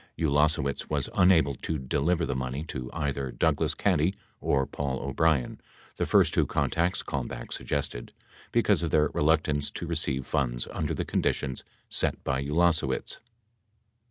74 Ulasewicz was unable to deliver the money to either Douglas Caddy or Paul O'Brien, the first two contacts Kalmbach suggested, because of their reluctance to receive funds under the conditions set by Ulasewicz.